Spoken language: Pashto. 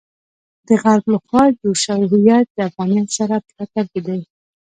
د غرب لخوا جوړ شوی هویت د افغانیت سره په ټکر کې دی.